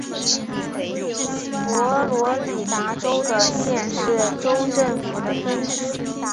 佛罗里达州的县是州政府的分支。